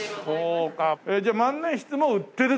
そうかじゃあ万年筆も売ってるってわけ？